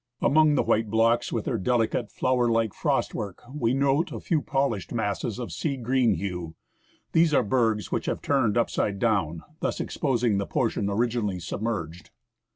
Among the white blocks with their delicate, flower like frost work, we note a few polished masses of sea green hue. These are bergs which have turned upside down, thus exposing the portion originally submerged.